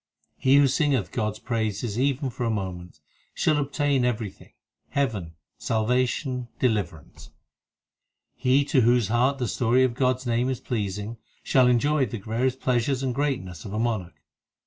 8 He who singeth God s praises even for a moment, Shall obtain everything heaven, salvation, deliverance. He to whose heart the story of God s name is pleasing, Shall enjoy the various pleasures and greatness of a monarch.